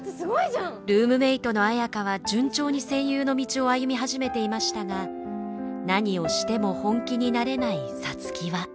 ルームメートの綾花は順調に声優の道を歩み始めていましたが何をしても本気になれない皐月は。